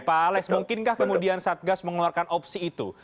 pak alex mungkinkah kemudian satgas mengeluarkan opsi itu